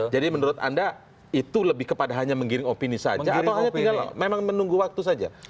jadi menurut anda itu lebih kepada hanya menggiring opini saja atau hanya tinggal memang menunggu waktu saja